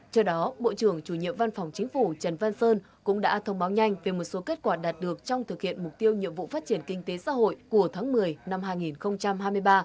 trước đó bộ trưởng chủ nhiệm văn phòng chính phủ trần văn sơn cũng đã thông báo nhanh về một số kết quả đạt được trong thực hiện mục tiêu nhiệm vụ phát triển kinh tế xã hội của tháng một mươi năm hai nghìn hai mươi ba